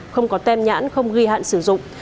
không có tem nhãn không ghi hạn sử dụng